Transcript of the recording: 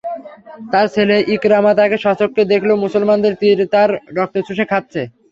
তার ছেলে ইকরামা তাকে স্বচক্ষে দেখল, মুসলমানদের তীর তার রক্ত চুষে খাচ্ছে।